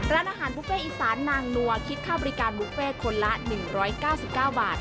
ร้านอาหารบุฟเฟ่อีสานนางนัวคิดค่าบริการบุฟเฟ่คนละ๑๙๙บาท